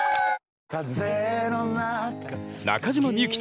「中島みゆき